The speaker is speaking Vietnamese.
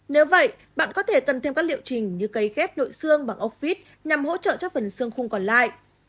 nếu vậy bạn có thể cần thêm các liệu trình như cây ghép nội xương bằng ốc vít nhằm hỗ trợ cho phần xương khung còn lại